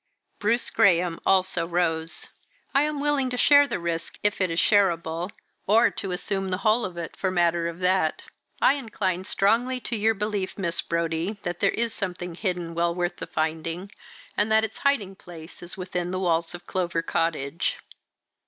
Bruce Graham also rose. "I am willing to share the risk if it is shareable or to assume the whole of it, for the matter of that. I incline strongly to your belief, Miss Brodie, that there is something hidden well worth the finding, and that its hiding place is within the walls of Clover Cottage."